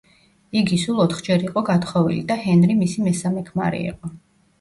იგი სულ ოთხჯერ იყო გათხოვილი და ჰენრი მისი მესამე ქმარი იყო.